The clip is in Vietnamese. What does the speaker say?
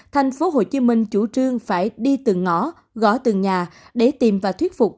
tp hcm chủ trương phải đi từng ngõ gõ từng nhà để tiêm và thuyết phục